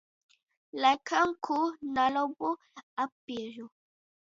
Laikam kū nalobu apiežu.